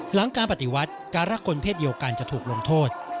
หลังการปฏิวัติการรักคนเพศเดียวกันจะถูกลงโทษ